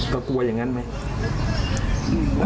ก็กลัวอย่างนั้นไหม